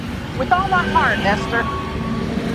With all my whole heart, Esther!